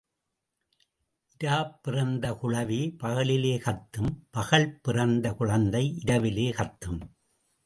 இராப் பிறந்த குழவி பகலிலே கத்தும் பகல் பிறந்த குழந்தை இராவிலே கத்தும்.